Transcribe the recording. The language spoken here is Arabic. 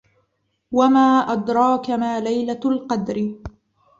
وَما أَدراكَ ما لَيلَةُ القَدرِ